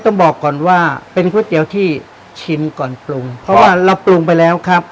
ต้องบอกก่อนว่าเป็นก๋วยเตี๋ยวที่ชิมก่อนปรุงเพราะว่าเราปรุงไปแล้วครับ